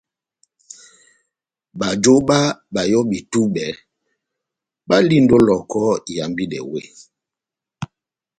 Bajo bá bayɔbi tubɛ balindi ó Lohoko ihambidɛ weh.